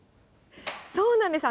そうなんです。